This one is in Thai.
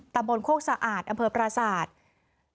ตำบลโครกสะอาดอำเภอประสาทธิ์